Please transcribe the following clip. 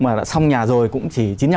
mà đã xong nhà rồi cũng chỉ chín mươi năm